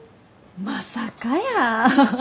まさかやー。